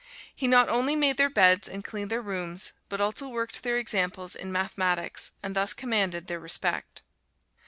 He not only made their beds and cleaned their rooms, but also worked their examples in mathematics, and thus commanded their respect.